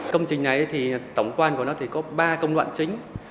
công trình này thì tổng quan của nó thì có ba công đoạn chính